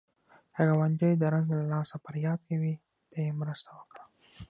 که ګاونډی د رنځ له لاسه فریاد کوي، ته یې مرسته وکړه